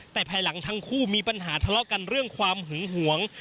แต่ภายหลังทั้งคู่มีปัญหาทะเลาะกันเรื่องความหึงหวง